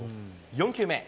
４球目。